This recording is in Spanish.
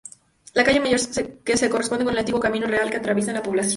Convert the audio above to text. La Calle Mayor se corresponde con el antiguo Camino Real que atravesaba la población.